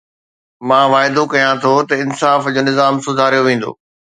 مان واعدو ڪيان ٿو ته انصاف جو نظام سڌاريو ويندو.